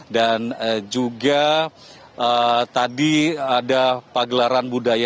dan juga tadi ada pagelaran budaya